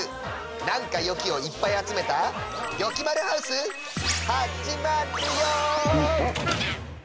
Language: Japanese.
「なんかよき！」をいっぱいあつめた「よきまるハウス」はっじまっるよ！